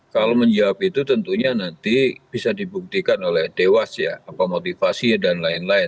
kalau menjawab itu tentunya nanti bisa dibuktikan oleh dewas ya apa motivasi dan lain lain